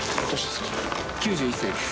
９１歳です。